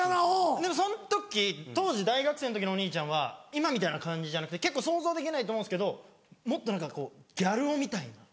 でもその時当時大学生の時のお兄ちゃんは今みたいな感じじゃなくて結構想像できないと思うんですけどもっと何かこうギャル男みたいな。